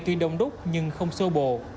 tuy đông đúc nhưng không sơ bồ